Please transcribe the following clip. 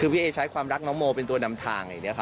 พี่เอ๊ใช้ความรักน้องโมเป็นตัวนำทาง